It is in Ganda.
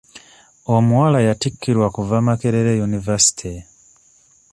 Omuwala yatikkirwa kuva Makerere yunivasite.